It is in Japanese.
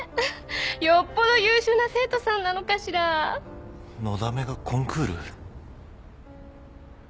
よっぽど優秀な生徒さんなのかしら？のだめがコンクール？